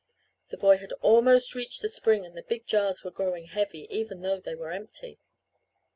The boy had almost reached the spring and the big jars were growing heavy even though they were empty.